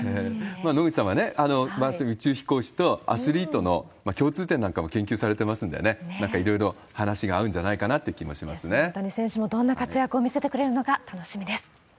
野口さんは宇宙飛行士とアスリートの共通点なんかも研究されてますんでね、なんかいろいろ話が合うんじゃないかなって気もし大谷選手もどんな活躍を見せてくれるのか、楽しみです。